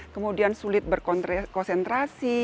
kemudian sulit berkonsentrasi